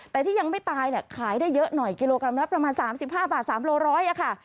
แต่ที่ยังไม่ตายเนี่ยขายได้เยอะหน่อยกิโลกรัมละประมาณ๓๕บาท๓โลร้อยค่ะ